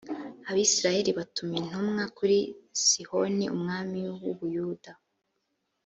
abisirayeli batuma intumwa kuri sihoni umwami w’ubuyuda